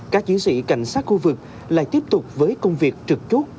các chiến sĩ cảnh sát khu vực lại tiếp tục với công việc trực chốt